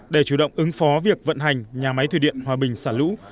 để chủ động ứng phó việc vận hành nhà máy thủy điện hòa bình xả lũ